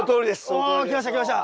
おきましたきました！